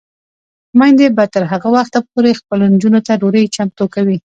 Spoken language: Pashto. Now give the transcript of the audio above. میندې به تر هغه وخته پورې خپلو نجونو ته ډوډۍ چمتو کوي.